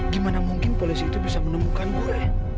gimana mungkin polisi itu bisa menemukan gue